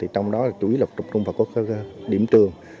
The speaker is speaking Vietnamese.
trong đó là chủ yếu lập trục trung vào các điểm trường